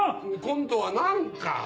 今度は何か！